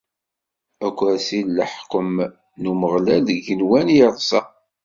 Akersi n leḥkwem n Umeɣlal deg igenwan i yerṣa.